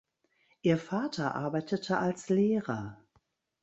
Ihr Vater arbeitete als Lehrer.